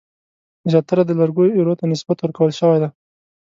زیاتره د لرګیو ایرو ته نسبت ورکول شوی دی.